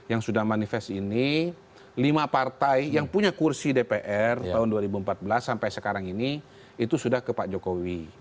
yang sudah manifest ini lima partai yang punya kursi dpr tahun dua ribu empat belas sampai sekarang ini itu sudah ke pak jokowi